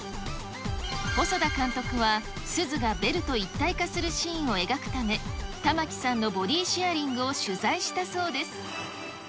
細田監督は、すずがベルと一体化するシーンを描くため、玉城さんのボディシェアリングを取材したそうです。